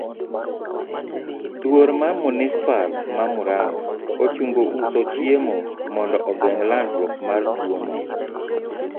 Duol mar Munispal mar Muranga ochungo uso chiemo mondo ogeng' landruok mar tuo no.